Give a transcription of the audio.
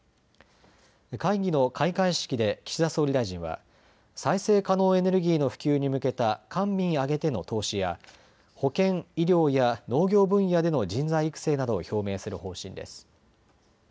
会議の開会式で岸田総理大臣は再生可能エネルギーの普及に向けた官民挙げての投資や保健・医療や農業分野での人材育成などを表明する方針です。